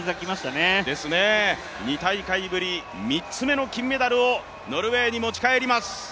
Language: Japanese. ２大会ぶり３つ目の金メダルをノルウェーに持ち帰ります。